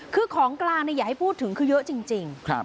คือของกลางเนี่ยอย่าให้พูดถึงคือเยอะจริงครับ